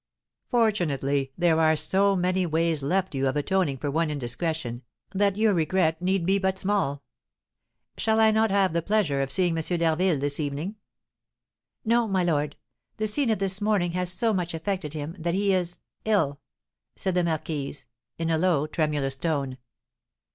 Fortunately, there are so many ways left you of atoning for one indiscretion, that your regret need be but small. Shall I not have the pleasure of seeing M. d'Harville this evening?" "No, my lord. The scene of this morning has so much affected him that he is ill," said the marquise, in a low, tremulous tone.